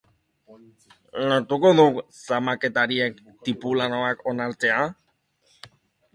Lortuko duk zamaketariek tipulanoak onartzea?